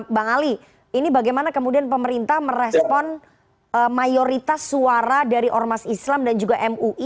bang ali ini bagaimana kemudian pemerintah merespon mayoritas suara dari ormas islam dan juga mui